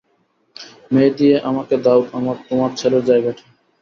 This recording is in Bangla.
মেয়ে দিয়ে আমাকে দাও তোমার ছেলের জায়গাটি।